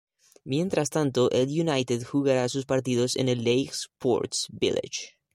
Mientras tanto, el United jugará sus partidos en el Leigh Sports Village.